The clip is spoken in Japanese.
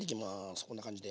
こんな感じで。